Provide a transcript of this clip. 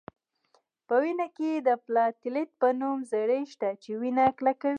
په وینه کې د پلاتیلیت په نوم ذرې شته چې وینه کلکوي